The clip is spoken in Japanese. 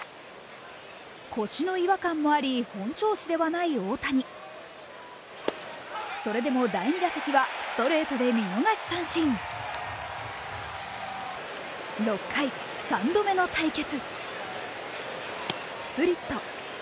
腰の違和感もあり本調子ではない大谷、それでも第２打席はストレートで見逃し三振ゲレーロ・ジュニアと３度目の対決。